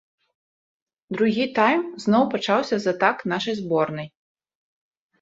Другі тайм зноў пачаўся з атак нашай зборнай.